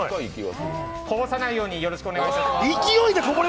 こぼさないようによろしくお願いします。